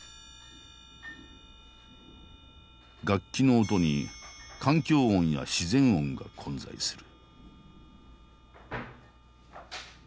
楽器の音に環境音や自然音が混在する。